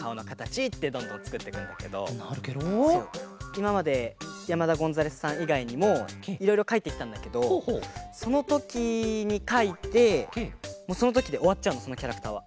いままで山田ゴンザレスさんいがいにもいろいろかいてきたんだけどそのときにかいてもうそのときでおわっちゃうのそのキャラクターは。